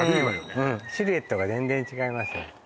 うんシルエットが全然違います